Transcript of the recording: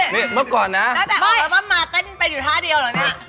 นี่เมื่อก่อนนะไม่ตั้งแต่อัลบั้มมาเต้นเป็นอยู่ท่าเดียวเหรอเนี่ย